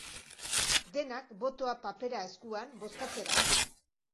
Denak, botoa papera eskuan, bozkatzera.